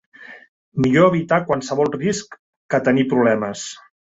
Millor evitar qualsevol risc que tenir problemes.